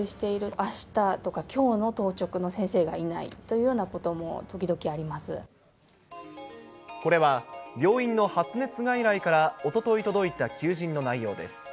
あしたとか、きょうの当直の先生がいないというようなことも、これは、病院の発熱外来から、おととい届いた求人の内容です。